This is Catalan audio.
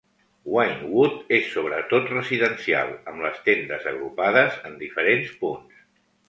Wynnewood és sobre tot residencial, amb les tendes agrupades en diferents punts.